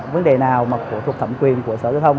vấn đề nào mà thuộc thẩm quyền của sở giao thông